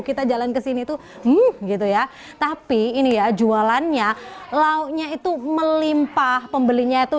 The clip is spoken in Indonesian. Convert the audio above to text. kita jalan kesini tuh hmm gitu ya tapi ini ya jualannya lauknya itu melimpah pembelinya itu